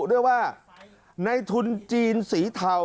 ขอโทษครับ